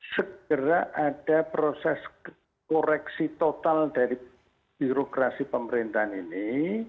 segera ada proses koreksi total dari birokrasi pemerintahan ini